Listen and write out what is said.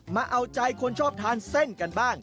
มาเอาใจคนชอบทานเส้นกันบ้าง